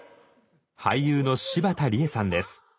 俳優の柴田理恵さんです。